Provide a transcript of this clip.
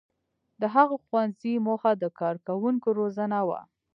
• د هغه ښوونځي موخه د کارکوونکو روزنه وه.